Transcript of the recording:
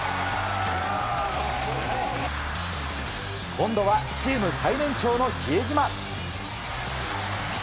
今度はチーム最年長の比江島。